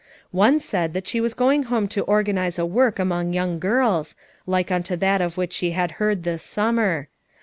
One said that she was going home to organize a work among young girls, like unto that of which she had heard this summer.